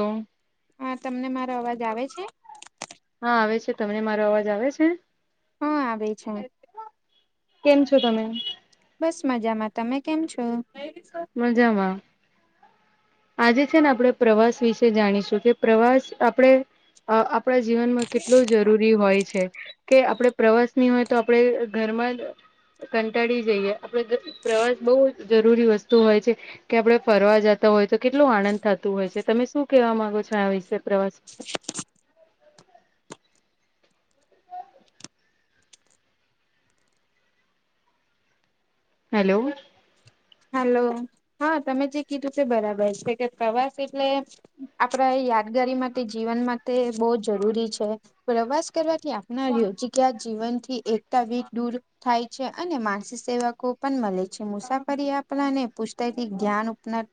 હમ્મ. હા તમને મારો અવાજ આવે છે હા આવે છે તમને મારો અવાજ આવે છે હા આવે છે કેમ છો તમે બસ મજામાં તમે કેમ છો મજામાં આજે છે ને આપણે પ્રવાસ વિશે જાણીશું કે પ્રવાસ આપણે અ આપણા જીવનમાં કેટલું જરૂરી હોય છે કે આપડે પ્રવાસ ની હોય તો આપણે ઘરમાં જ કંટાળી જઈએ. આપડ પ્રવાસ બહુ જરૂરી વસ્તુ હોય છે. કે આપડે ફરવા જતા હોય તો કેટલું આનંદ થતું હોય છે તમે શું કેવા માંગો છો આ વિશે પ્રવાસ વિશે? હેલો. હલો હા તમે જે કીધું છે બરાબર છે કે પ્રવાસ એટલે આપડા એ યાદગારી માટે જીવન માટે બહુ જરૂરી છે. પ્રવાસ કરવાથી આપનારીઓ જગ્યા જીવન થી એકતા વી દૂર થાય છે અને માનસીક સેવકો પણ મળે છે મુસાફ ફ આપલા ને પુછતાથી ગ્યાંન ઉપના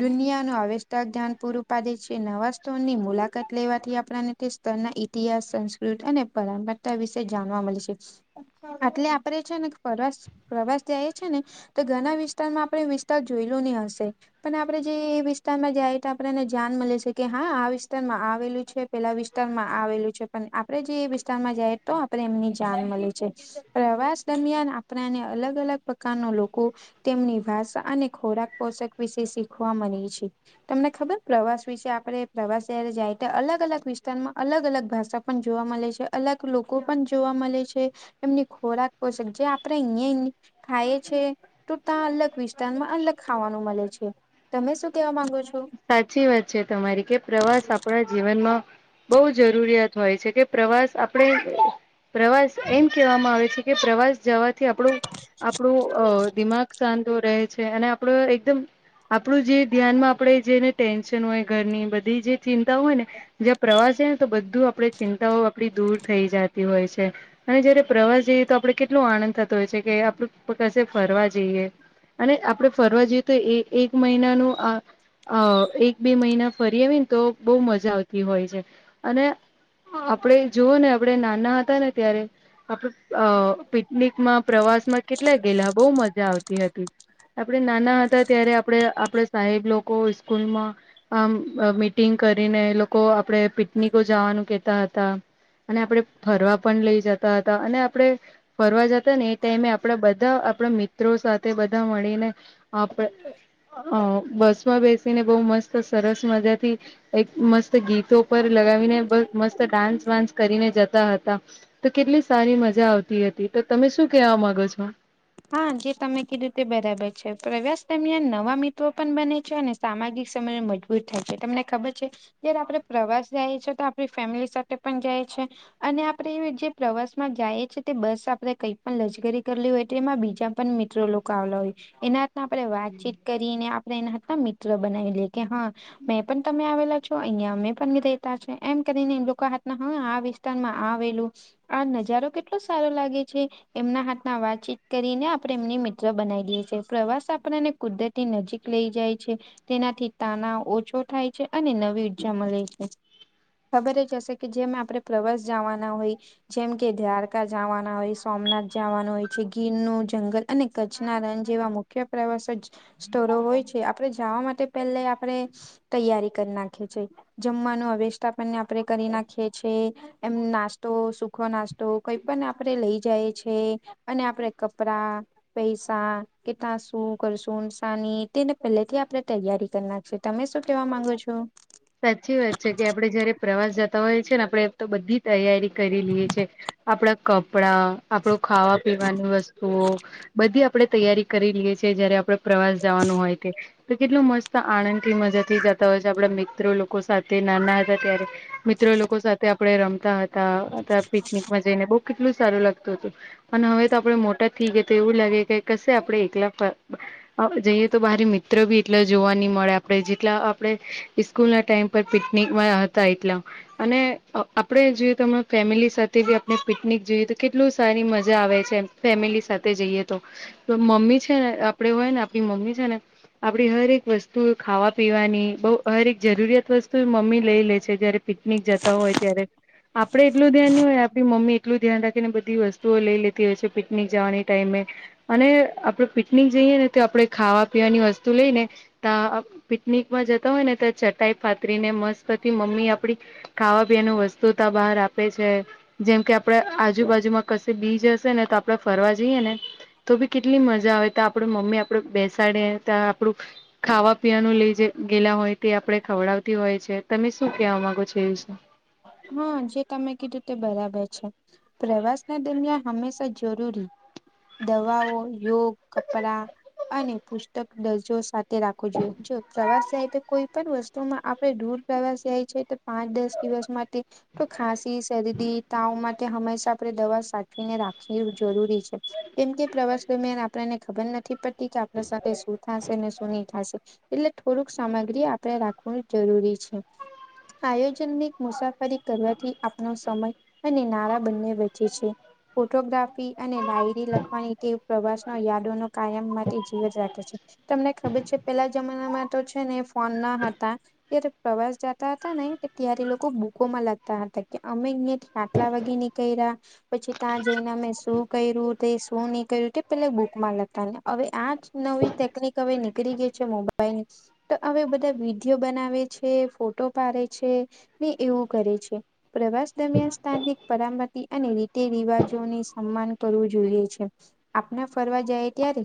દુનિયા ન આવષતા ધ્યાન પૂરું પાડે છે નવા સ્ટોનની મુલાકાત લેવાથી આપને ત ના ઇતિહાસ સંસ્કૃત અને પરંપરાતા વિશે જાણવા મળે છે. આટલે આપડે છે ને પ્રવાસ પ્રવાસ જએ છે ને, તો ઘણા વિસ્તારમાં આપણે વિસ્તાર જોયલું નહી હશે. પણ આપણેે જે વિસ્તારમાં જાય તો આપણે એને ધ્યાન મળે છે કે હા આ વિસ્તારમાં આવેલું છે પેલા વિસ્તાર વિસ્તારમાં આવેલું છે પણ આપડે જે એ વિસ્તારમાં જઈ તો આપણે એમની જાણ મળી છે. પ્રવાસ દરમિયાન આપણાને અલગ અલગ પ્રકારના લોકો તેમની વાાષા અને ખોરાક પોષક વિશે શીખવા મળે છે. તમને ખબર પ્રવાસ વિશે આપણે પ્રવાસ જયારે જાય તો અલગ અલગ વિસ્તારમાં અલગ અલગ ભાષા પણ જોવા મળે છે અલગ લોકો પણ જોવા મળે છે. એમની ખોરાક પોષક જે આપણેે અહં ખાય છે. તો ત્યા અલગ વિસ્તારમાં અલગ ખાવાનું મળે છે, તમે શું કેવા માંગો છો. સાચી વાત છે તમારી કે પ્રવાસ આપણા જીવનમાં, બહુ જરૂરિયાત હોય છે કે પ્રવાસ આપણે પ્રવાસ એમ કહેવામાં આવે છે કે પ્રવાસ જવા થી આપું આપણું દિમાગ શાંત રહે છે અને આપડ એકદમ આપણું જે ધ્યાનમાં આપણેે જેને ટેન્શન હોય ઘરની બધી જે ચિંતા હોય ને, જ્યાં પ્રવાસે તો બધું આપે ચિંતાઓ આપડી દૂર થઈ જતી હોય છે. અને જયારે પ્રવાસ જઈએ તો આપડણે કેટલો આનંદ થતો હોય છે કે આપડું કશે ફરવા જઈએ. અને આપડણે ફરવા જઈએ તો એ એક મહિનાનું આ અ એક બે મહિના ફરી આવીને તો બહ મજા આવતી હોય છે, અને આપડે જોવઓ ને આપણેે નાના હતા ને ત્યારે, આપડ પિકનિકમાં પ્રવાસમાં કેટલા ગેલા બહુ મજા આવતી હતી. આપણેે નાના હતા ત્યારે આપણે આપડે સાહેબ લોકો સ્સ્કૂલમાં. આમ મીટિંગ કરીને લોકો આપડે પિકનિકો જવાનું કેતા હતા. અને આપણે ફરવા પણ લઈ જતા હતા અને આપણેે ફરવા જતા ને એ ટાઈમે આપડા બધા આપણા મિત્રો સાથે બધા મળીને. આપ હ બસ માં બેસીને બહુ મસ્ત સરસ મજા થી, એક મસ્ત ગીત પર લગાવીને બ મસ્ત ડાન્સ વાન્સ કરીને જતા હતા, તો કેટલી સારી મજા આવતી હતી તો તમે શું કેવા માંગો છો. હા જે તમે કીધું તે બરાબર છે પ્રવાસ દરમિયાન નવા મિત્રો પણ બને છે અને સામાજિક સમયને મજબૂત થાય છે તમને ખબર છે. જયારે આપડે પ્રવાસ જઈએ છીએ તો આપણી ફેમિલી સાથે પણ જાય છે. અને આપડે જે પ્રવાસમાં જઈએ છીએ તે બસ આપણે કંઈક પણ લજગરી કરલી હોય. તેમાં બીજા પણ મિત્રો લોકો આવલા હોય, એના આપણે વાતચીત કરી ને આપણે એના હતા મિત્ર બનાવી લેએ કે હા. મેં પણ તમે આવેલા છો અહિયાં અમે પણ રેતા એમ કરીને એમ લોકો હાથ ના હવે માં આવેલું, આ નજારો કેટલો સારો લાગે છે, એમના હાથ ના વાતચીત કરીને આપણે એમને મિત્ર બનાવી દઈએ છીએ પ્રવાસ આપણને કુદરતી નજીક લઈ જાય છે. તેનાથી તનાવ ઓછો થાય છે અને નવી ઉર્જા મળે છે. ખબર જશે કે જે મે આપણે ફ્લવર્સ જવાના હોય જેમ કે દ્વારકા જવાના હોય સોમનાથ જવાનું હોય છે. ગીરનું જંગલ અને કચ્છના રણ જેવા મુખ્ય પ્રવાસો જ સ્ટોરો હોય છે આપડે જવા માટે પેલે આપણે તૈયારી કરી નાખે છે. જમવાનું અવેષથાપને આપણે કરી નાખીએ છીએ. એમ નાસ્તો સુખો નાસ્તો કઈ પણ આપે લઈ જાય છે અને આપડે કપડા પૈસા કે ત્યાં શું કરશું સાની તેને પેલેથી આપણે તૈયારી કરનારખી. તમે શું કેવા માંગો છો? સાચી વાત છે કે આપડે જયારે પ્રવાસ જતા હોય છે ને આપડે તો બધી તૈયારી કરી લ છે આપણા કપડા આપડો ખાવા પીવાની વસ્તુઓ બધી આપડે તૈયારી કરી લઈએ છ છેએ. જયારે આપણેે પ્રવાસ જવાનું હોય તો કેટલું મસ્ત આનંદ થી મજા થી જતા હોય છે આપે મ લોકો સાથે નાના હતા ત્યારે મિત્ર લોકો સાથે આપણે રમતા હતા. પિકનિકમાં જઈને બઉુ કેટલું સારું લાગતું હતું. અને હવે તો આપડે મોટા થઈ ગયા તો એવું લાગે કે કશે આપડે એકલા જઈએ તો બરી મિત્ર બી એટલા જોવા નઈ મળે આપડે જેટલા આપડે સ્કૂલ ના ટાઈમ પર પિકનિકમાં હતા એટલા અને આપડ જોઈએ ત ફેમિલી સાથે આપણે પિકનિક જોઈએ તો કેટલું સારી મજા આવે છે. ફેમિલી સાથે જઈએ તો મમ્મી છે ને આપડે હોય ને આપણી મમ્મી છે ને આપડી હરેક વસ્તુ ખાવા પીવાની બહ હર એક જરૂરિયાત વસ્તુ મમ્મી લઈ લે છે જયારે પિકનિક જતા હોય ત્યારે આપડે એટલું ધ્યાન હોય આપ મમ્મી એટલું ધ્યાન રાખીને બધી વસ્તુઓ લઈ લેતી હોય છે પિકનિક જવાની ટાઈમે અને આપડ પિકનિક જઈએ ને તો આપણે ખાવા પીવાની વસ્તુ લઈ ને ત પિકનિકમાં જતા હોય ને ત્યાં ચટાઈ પાાતરી ને મસ્તતી મમ્મી આપડી ખાવા પીવાનું વસ્તુ બહાર આપે છે. જેમ કે આપડે આજુબાજુમાં કશે બીજ હશે ને તો આપડે ફરવા જઈએ ને તો ભી કેટલી મજા આવે ત આપડ મમ્મી આપડે બેસાડે ત આપણું ખાવા પીવાનું લઇ જ ગેલા હોય તે આપે ખવડાવતી હોય છે તમે શું કેવા માંગો છો એ વિશે હા જે તમે કીધું તે બરાબર છે. પ્રવાસના દરમિયાન હંમેશા જરૂરી દવાઓ યોગ કપડા અને પુસ્તક દરજો સાથે તે રાખવું જોઈએ જો પ્રવાસ થાય તો કોઈ પણ વસ્તુમાં આપણે દૂર પ્રવાસ જાય છે તો પાંચ દસ દિવસ માટે તો ખાંસી શરદી તાવ માટે હંમેશા આપણે દવા સાચવીને રાખવી જરૂરી છે. કેમ કે પ્રવાસ દરમિયાન આપને ખબર નથી પડતી કે આપણા સાથે શું થશે ને શું નઈ એટલે થોડુંક સામગ્રી આપણે રાખું જરૂરી છે આયોજનની મુસાફરી કરવાથી આપનો સમય અને નાળ બંને વચચે છે ફોટોગ્રાફી અને ડાયરી લખવાની ટેવ પ્રવાસ ન યાદો ન કાયમ માટેથી જીવત રાખે છે. તમને ખબર છે પેલા જમાનામાં તો છે ને ફોન ના હતા. ત્યારે પ્રવાસ જતા હતા ને ત્યારે લોકો બૂકો માં લગતા હતા કે અમે અ આટલા વાગે નીકળ્યા પછી ત્યાં જઈને અમે શું કર્યું તે શું નહી કર્યું તે પેલા બુક માં લેતા ને હવે આ જ નવી ટેકનિક હવે નીકળી ગઈ છે મોબાઈલ તો હવે બધા વિડીિયો બનાવે છે ફોટો પાડે છે ને એવું કરે છે. પ્રવાસ દરમિયાન સ્થાનિક પરામતી અને રીતિ રિવાજોને સન્માન કરવું જોઈએ છે. આપણે ફરવા જાય ત્યારે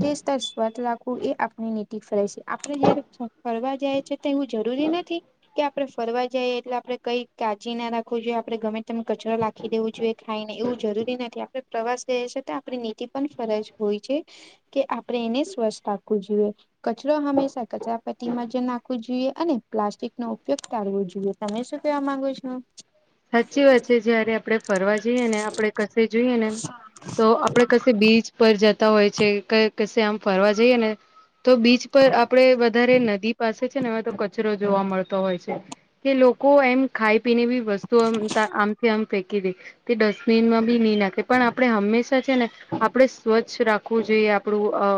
તે સ્તર સ્વત રાખવું એ આપણી નીતિ ફરે છે. આપડે જયારે ફરવા જાય છે તો એવું જરૂરી નથી કે આપડે ફરવા જઈએ એટલે આપણે કઈક કાળજી ના રાખવું જોઈએ આપડે ગમે તમને કચરો લખી દેવો જોઈએ ખાઈને એવું જરૂરી નથી. આપ આપ પ્રવાસ ગઈએ છે તો આપણી નીતિ પણ ફરજ હોય છે. કે આપણે એને સ્વસ્થ રાવું જોઈએ. કચરો હંમેશા કચરા પટીમાં જ નાખવું જોઈએ અને પ્લાસ્ટિક નો ઉપયોગ કરાવો જોઈએ. તમે શું કેવા માંગો છો? સાચી વાત છે જયારે આપડણે ફરવા જઈએ ને આપડણે કશે જોઈએ ને તો આપડે કશે બીચ પર જતા હોય છે, ક કશે આમ ફરવા જઈએ ને તો બીચ પર આપડે વધારે નદી પાસે છે, ને એ તો ક જોવા મળતો હોય છે, કે લોકો એમ ખાઈ પીને બી વસ્તુઓમ આમથી આમ ફેંકી દે તે ડસ્ટબિનમાં બી નહી નાખે પણ આપણે હંમેશા છે ને આપણે સ્વચ્છ રાખ ખવું જોઈએ આપણું અ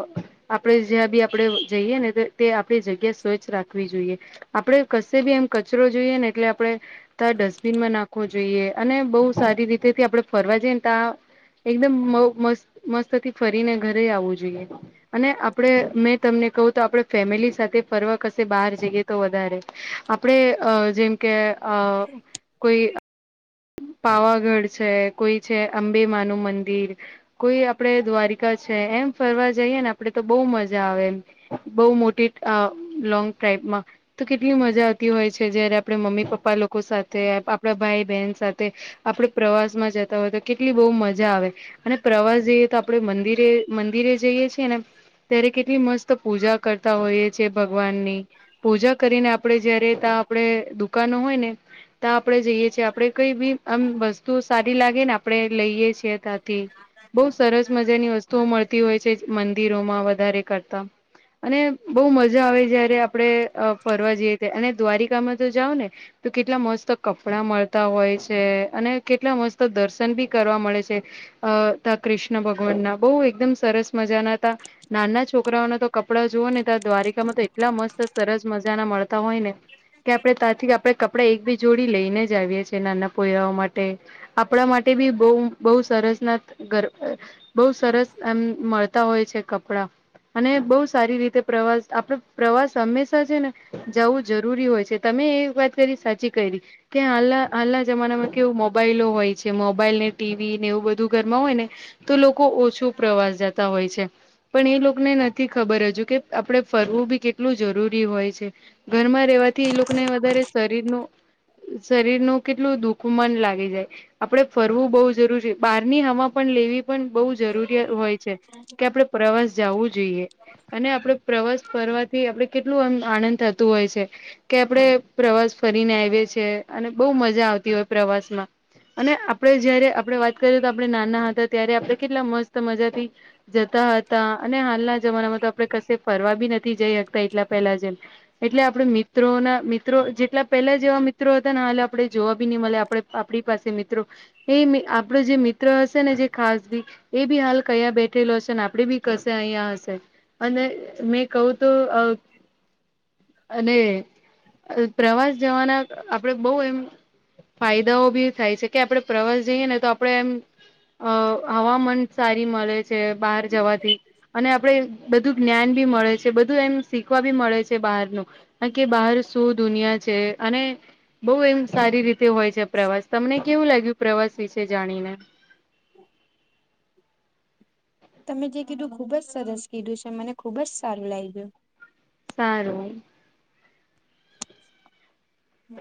આપણે જ્યાં બી આપણે જઈએ ને તે આપણી જગ્યા સ્વચ્છ રાખવી જોઈએ. આપડે કશે ભી એમ કચરો જોઈએ ને એટલે આપણે ત્યાં ડસ્ટબીનમાં નાખવો. જોઈએ અને બહુ સારી રીતે થી આપણે ફરવા જઈએ ને ત્યા એકદમ‌ મ મસ્ત મસ્તથી ફરીને ઘરે આવવું જોઈએ. અને આપણે મેં તમને કહું તો આપણે ફેમિલી સાથે ફરવા કશે બહાર જઈએ તો વધારે આપણે અ જેમ કે અ કોઈ પાવાગઢ છે કોઈ છે અંબેમા નું મંદિર કોઈ આપડે દ્વારિકા છે, એમ ફરવા જઈએ ને આપડે તો બહુ મજા આવે એમ બઉ મોટી અ લોંગ ડ્રાઈવ માં તો કેટલી મજા આવતી હોય છે, જયારે આપણે મમ્મી, પપ્પા લોકો સાથે આપણા ભાઈ, બહેન તે આપડે પ્રવાસ માં જતા હોય તો કેટલી બહુ મજા આવે. અને પ્રવાસ જઈએ તો આપણે મંદિરે મંદિરે જઈએ છીએ ને ત્યારે કેટલી મસ્ત પૂજા કરતા હોઈએ છે, ભગવાનની પૂજા કરીને આપણે જયારે ત્યાં આપણે દુકાનો હોય ને ત્યાં આપણે જઈએ છીએ આપણે કઈ બી આમ વસ્તુ સારી લાગે ને આપડે લઈએ છીએ ત્યાંથી બહુ સરસ મજા જેની વસ્તુઓ મળતી હોય છે, મંદિરોમાં વધારે કરતા અને બહુ મજા આવે જયારે આપણે અ ફરવા જઈએ ત્યાં અને દ્વારિકામાં તો જાવ ને તો કેટલા મસ્ત કપડાં મળ તા હોય છે, અને કેટલા મસ્ત દર્શન બી કરવા મળે છે. અ ત કૃષ્ણ ભગવાન ના બહુ એકદમ સરસ મજા ના હતા. નાના છોકરાઓના તો કપડાં જુઓ ને તો દ્વારિકામાં તો એટલા મસ્ત સરસ મજા ના મળતા હોય ને કે આપણે ત્યાંથી આપણે કપડા એકબી જોડી લઈને જ આવીએ છીએ નાના પોયરાઓ માટે. આપણા માટે બી બહ બહુ સરસના ગ બઉુ સરસ એમ મળતા હોય છે કપડા. અને બહુ સારી રીતે પ્રવાસ આપણે પ્રવાસ હંમેશા છે, ને જવું જરૂરી હોય છે. તમે એ વાત કરી સાચી કરી કે અલા હાલના જમાનામાં કેવું મોબાઈલો હોય છે, મોબાઈલ ને ટીવી ને એવું બધું ઘરમાં હોય ને તો લોકો ઓછો પ્રવાસ જતા હોય છે. પણ એ લોકોને નથી ખબર હજુ કે આપણે ફરવું બી કેટલું જરૂરી હોય છે. ઘરમાં રહેવાથી એ લોકોને વધારે શરીરનું શરીરનું કેટલું દુઃખમન લાગી જાય. આપડે ફરવું બહુ જરૂરી, બારની હવા પણ લેવી પણ બઉ જરૂરી અ હોય છે કે આપડે પ્રવાસ જવું જોઈએ. અને આપડે પ્રવાસ કરવાથી આપણે કેટલુ અમ આનંદ થતું હોય છે‌. કે આપડે પ્રવાસ ફરીને આવીએ છીએ, અને બહુ મજા આવતી હોય પ્રવાસમાં. અને આપડે જયારે આપણે વાત કરીએ, તો આપણે નાના હતા ત્યારે આપણે કેટલા મસ્ત મજાથી જતા હતા અને હાલના જમાનામાં તો આપડણે કશ ફરવા બી નથી જઈ શકતા એટલા પહેલા જેમ એટલે આપડ મિત્રોના મિત્રો જેટલા પેલા જેવા મિત્રો હતા ને હા આપણે જોવા બી નહી મળે આપણે આપણી પાસે મિત્રો એ આપડો જે મિત્ર હશે ને જે ખાસી એ બી હાલ કયા બેઠેલો હશે ને આપે બી કશે અહિયાયા હશે. અને મેં કહું તો અ અને પ્રવાસ જવાના આપડે બહુ એમ ફાયદાઓ બી થાય છે, કે આપડણે પ્રવાસ જઈએ ને તો આપડણે એમ અ હવામાન સારી મળે છે, બહાર જવાથી અને આપડે બધું જ્ઞાન ભી મળે છે, બધું એમ શીખવા બી મળે છે બહારનું હ કે બહાર શું દુનિયા છે અને બઉ એમ સારી રીતે હોય છે, પ્રવાસ તમને કેવું લાગ્યું પ્રવાસ વિશે જાણીને? તમે જે કીધું ખુબ જ સરસ કીધું છે, મને ખુબ જ સારું લાગ્યું સારું હમ્મ,